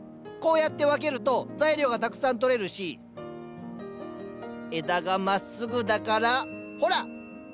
こうやって分けると材料がたくさん取れるし枝がまっすぐだからほら！